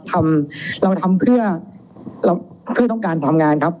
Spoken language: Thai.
ทำเราทำเพื่อเราเพื่อต้องการทำงานครับ